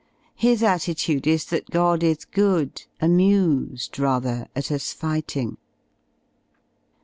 His attitude is that God h good, amused, rather, at us fighting.